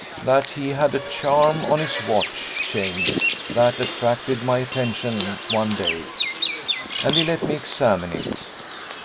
that he had a charm on his watch chain that attracted my attention one day, and he let me examine it.